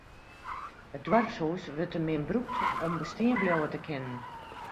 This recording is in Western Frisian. It doarpshûs wurdt te min brûkt om bestean bliuwe te kinnen.